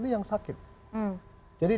itu yang sakit jadi